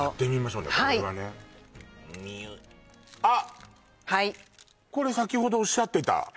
ゅっあっはいこれ先ほどおっしゃってた